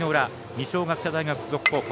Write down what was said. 二松学舎大付属高校。